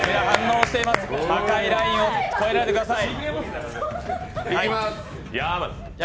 赤いラインを越えないでください。